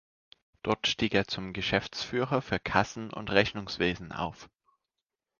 Dort stieg er zum Geschäftsführer für Kassen- und Rechnungswesen auf.